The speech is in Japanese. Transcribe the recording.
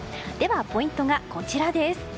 ポイントはこちらです。